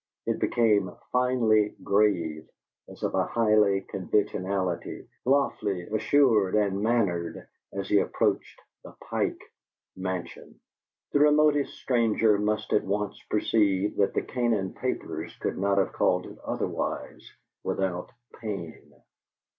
It became finely grave, as of a high conventionality, lofty, assured, and mannered, as he approached the Pike mansion. (The remotest stranger must at once perceive that the Canaan papers could not have called it otherwise without pain.)